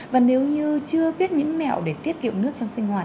và nếu như chưa viết những mẹo để tiết kiệm nước trong sinh hoạt